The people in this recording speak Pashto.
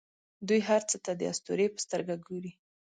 دوی هر څه ته د اسطورې په سترګه ګوري.